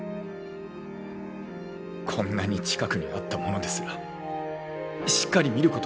こんなに近くにあったものですらしっかり見る事ができなかった。